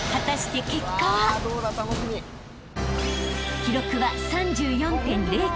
［記録は３４．０９４秒］